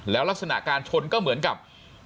แล้วลักษณะการชนก็เหมือนกับ